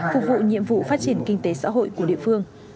phục vụ nhiệm vụ phát triển kinh tế xã hội của địa phương